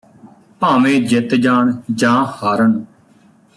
ਭਾਵੇਂ ਜਿੱਤ ਜਾਣ ਜਾਂ ਹਾਰਨ